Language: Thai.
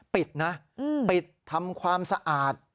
ปิดนะปิดทำความสะอาด